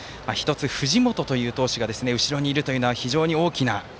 藤本とという投手が後ろにいるのは非常に大きな。